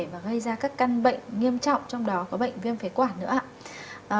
và gây ra các căn bệnh nghiêm trọng trong đó có bệnh viêm phế quản nữa ạ